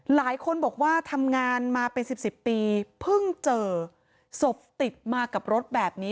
หลายคนบอกว่าทำงานมาเป็นสิบสิบปีเพิ่งเจอศพติดมากับรถแบบนี้